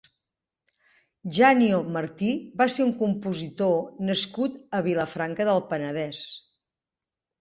Janio Martí va ser un compositor nascut a Vilafranca del Penedès.